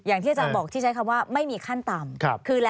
อย่างที่อาจารย์บอกที่ใช้คำว่าไม่มีขั้นต่ำ